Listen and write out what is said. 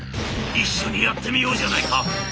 一緒にやってみようじゃないか！」。